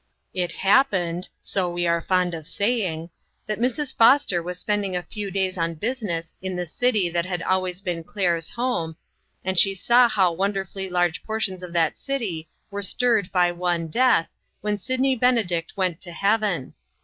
It hap pened, so we are fond of saying, that Mrs. Foster was spending a few days on busi ness in the city that had always been Claire's home, and she saw how wonderfully large portions of that city were stirred by one death, when Sydney Benedict went to heaven.